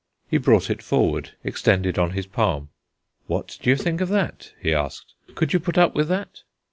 He brought it forward, extended on his palm. "What do you think of that?" he asked. "Could you put up with that?"